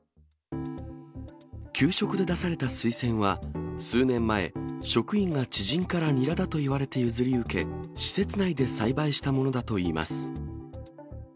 給食で出されたスイセンは、数年前、職員が知人からニラだと言われて譲り受け、施設内で栽培したものだといいます。